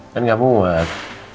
kan gak muat